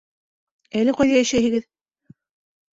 Әле ҡайҙа йәшәйһегеҙ?